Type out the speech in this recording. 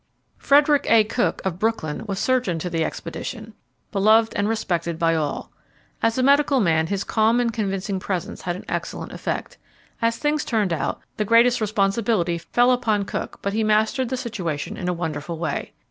Frederick A. Cook, of Brooklyn, was surgeon to the expedition beloved and respected by all. As a medical man, his calm and convincing presence had an excellent effect. As things turned out, the greatest responsibility fell upon Cook, but he mastered the situation in a wonderful way.